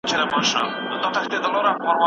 دې پیالې ته مې وه تنده